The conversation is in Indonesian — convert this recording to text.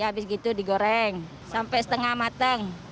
habis gitu digoreng sampai setengah matang